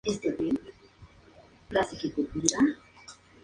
Sobre el altar y el retablo hay una bóveda.